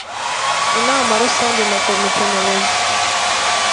inama rusange na komite nyobozi